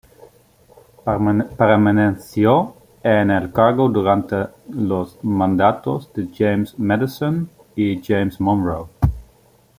Permaneció en el cargo durante los mandatos de James Madison y James Monroe.